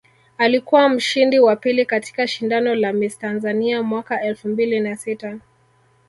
Alikuwa mshindi wa pili katika shindano la Miss Tanzania mwaka elfu mbili na sita